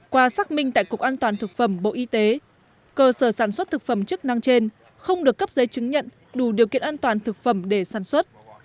qua xác minh tại cục an toàn thực phẩm bộ y tế cơ sở sản xuất thực phẩm chức năng trên không được cấp giấy chứng nhận đủ điều kiện an toàn thực phẩm để sản xuất